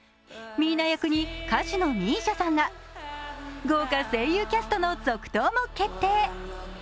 ミーナ役に歌手のＭＩＳＩＡさんら豪華声優キャストの続投も決定。